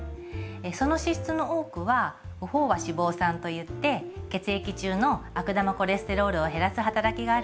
その脂質の多くは不飽和脂肪酸といって血液中の悪玉コレステロールを減らす働きがある良質なものなんですよ。